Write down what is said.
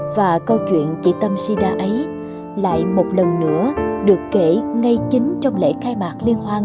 và câu chuyện chị tâm shida ấy lại một lần nữa được kể ngay chính trong lễ khai mạc liên hoan